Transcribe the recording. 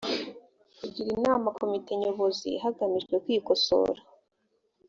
kugira inama komite nyobozi hagamijwe kwikosora